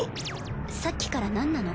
さっきからなんなの？